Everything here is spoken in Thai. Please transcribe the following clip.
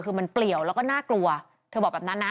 คือมันเปลี่ยวแล้วก็น่ากลัวเธอบอกแบบนั้นนะ